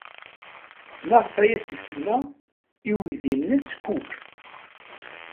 Maɣef ay as-isemma i uydi-nnes Cook?